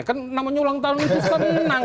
kan namanya ulang tahun itu senang